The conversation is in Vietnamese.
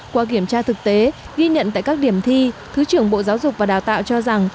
qua kiểm tra thực tế ghi nhận tại các điểm thi thứ trưởng bộ giáo dục và đào tạo cho rằng